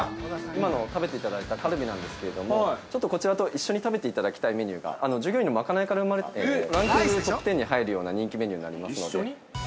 ◆今の食べていただいたカルビなんですけども、ちょっとこちらと一緒に食べていただきたいメニューが、従業員の賄いから生まれたランキングトップ１０に入るような、人気メニューになりますので。